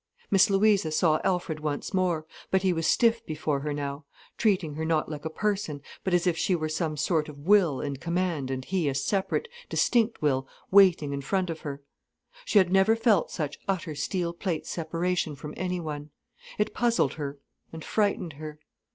Miss Louisa saw Alfred once more, but he was stiff before her now, treating her not like a person, but as if she were some sort of will in command and he a separate, distinct will waiting in front of her. She had never felt such utter steel plate separation from anyone. It puzzled her and frightened her.